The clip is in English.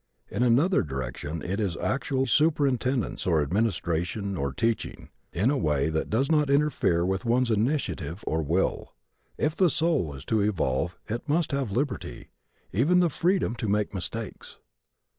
In another direction it is actual superintendence, or administration, or teaching, in a way that does not interfere with one's initiative or will. If the soul is to evolve it must have liberty even the freedom to make mistakes.